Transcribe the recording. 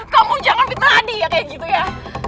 kamu jangan fitnah adi ya kayak gitu ya